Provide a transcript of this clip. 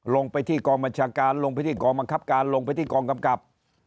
ลงไปที่กองบัญชาการลงไปที่กองบังคับการลงไปที่กองกำกับ